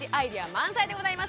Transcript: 満載でございます。